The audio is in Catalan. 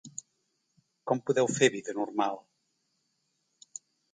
Com podeu fer vida normal?